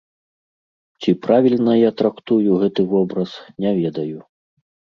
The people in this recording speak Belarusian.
Ці правільна я трактую гэты вобраз, не ведаю.